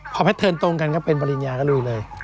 พอแททเทิร์นตรงกันก็เป็นปริญญาก็ลุยเลย